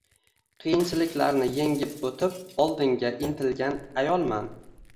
Qiyinchiliklarni engib o`tib oldinga intilgan ayolman